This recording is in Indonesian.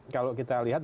kalau kita lihat